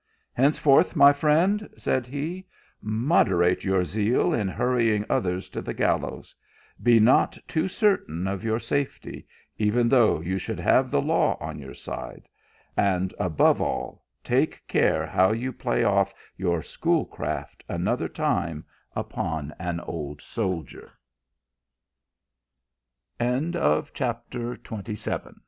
" Henceforth, my friend," said he, "moderate youi zeal in hurrying others to the gallows ; be not too certain of your own safety, even though you should have the law on your side ; and, above all, take care how you play off your schoolcraft another ti